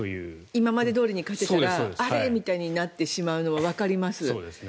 今までどおりに買っていたらあれ？ってなってしまうのはわかります。